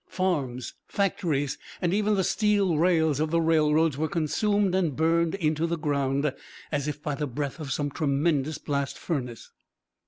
Farms, factories, and even the steel rails of the railroads were consumed and burned into the ground as if by the breath of some tremendous blast furnace.